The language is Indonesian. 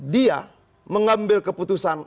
dia mengambil keputusan